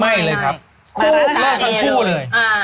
ไม่เลยครับครบเลิกทั้งคู่เลย